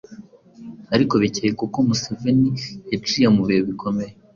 ariko bikekwa ko Museveni yaciye mu bihe bikomeye